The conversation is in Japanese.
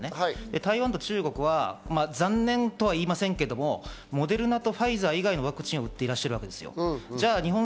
台湾と中国は残念とは言いませんけど、モデルナとファイザー以外のワクチンを打っていらっしゃる。